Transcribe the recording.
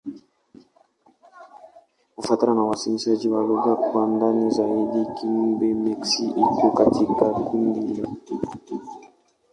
Kufuatana na uainishaji wa lugha kwa ndani zaidi, Kigbe-Maxi iko katika kundi la Kikwa.